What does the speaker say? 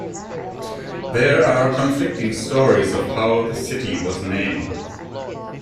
There are conflicting stories of how the city was named.